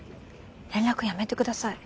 連絡やめてください。